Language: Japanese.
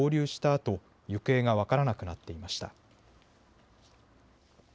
あと行方が分からなくなっていました。